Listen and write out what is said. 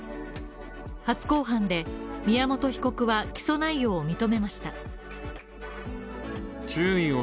初公判で宮本被告は起訴内容を認めました。